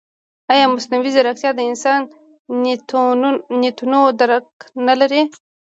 ایا مصنوعي ځیرکتیا د انساني نیتونو درک نه لري؟